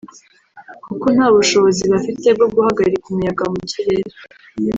kuko nta bushobozi bafite bwo guhagarika umuyaga mu kirere